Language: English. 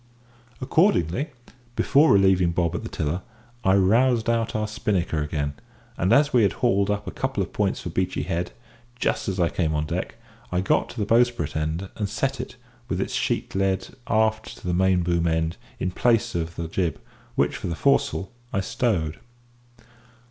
Accordingly, before relieving Bob at the tiller, I roused out our spinnaker again; and as we had hauled up a couple of points for Beachy Head just as I came on deck, I got it to the bowsprit end and set it, with its sheet led aft to the main boom end, in place of the jib, which, with the foresail, I stowed.